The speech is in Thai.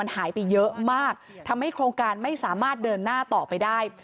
หายไปเยอะมากทำให้โครงการไม่สามารถเดินหน้าต่อไปได้